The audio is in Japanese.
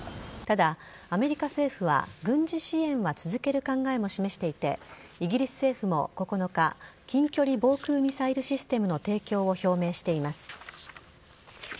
ただ、アメリカ政府は軍事支援は続ける考えも示していてイギリス政府も９日近距離防空ミサイルシステムの提供を表明しています。